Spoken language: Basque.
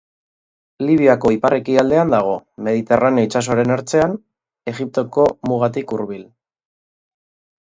Libiako ipar-ekialdean dago, Mediterraneo itsasoaren ertzean, Egiptoko mugatik hurbil.